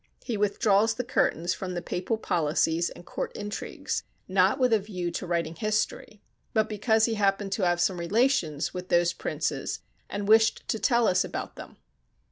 He withdraws the curtains from the Papal policies and court intrigues, not with a view to writing history, but because he happened to have some relations with those princes and wished to tell us about them.